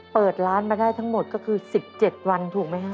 เปิดร้านมาได้ทั้งหมดก็คือ๑๗วันถูกไหมฮะ